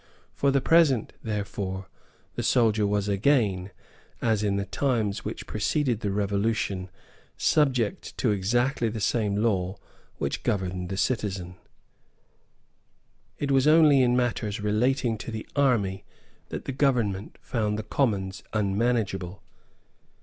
For the present, therefore, the soldier was again, as in the times which preceded the Revolution, subject to exactly the same law which governed the citizen. It was only in matters relating to the army that the government found the Commons unmanageable.